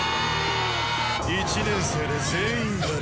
１年生で全員「４」。